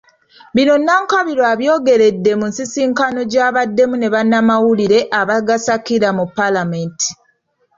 Bino Nankabirwa abyogeredde mu nsisinkano gy'abaddemu ne bannamawulire abagasakira mu paalamenti.